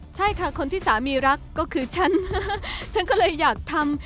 ใช่ค่ะคนที่สามีรักก็คือฉันฉันก็เลยอยากทำ